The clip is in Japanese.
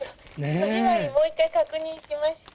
戸締まり、もう一回確認しました。